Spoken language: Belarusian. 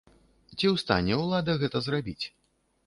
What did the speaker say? Ці ў стане ўлада гэта зрабіць?